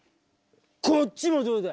こっちもどうだ？